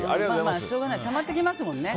しょうがないたまっていきますもんね。